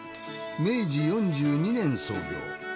明治４２年創業。